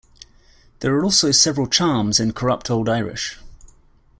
There are also several charms in corrupt Old Irish.